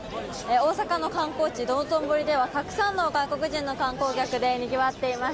大阪の観光地・道頓堀ではたくさんの外国人の観光客でにぎわっています。